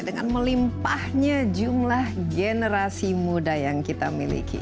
dengan melimpahnya jumlah generasi muda yang kita miliki